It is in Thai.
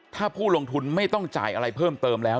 ถ้าผู้ลงทุนไม่ต้องจ่ายอะไรเพิ่มเติมแล้ว